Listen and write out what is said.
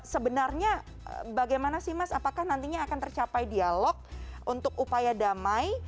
sebenarnya bagaimana sih mas apakah nantinya akan tercapai dialog untuk upaya damai